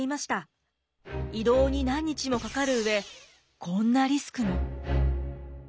移動に何日もかかる上こんなリスクも。